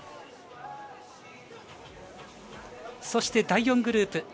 そして、第４グループ。